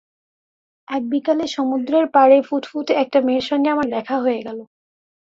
এক বিকালে সমুদ্রের পাড়ে ফুটফুটে একটা মেয়ের সঙ্গে আমার দেখা হয়ে গেল।